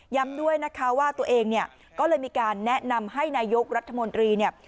ด้วยนะคะว่าตัวเองเนี่ยก็เลยมีการแนะนำให้นายกรัฐมนตรีเนี่ย